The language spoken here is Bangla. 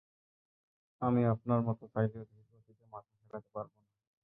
আমি আপনার মতো চাইলেও ধীর গতিতে মাথা খাটাতে পারব না!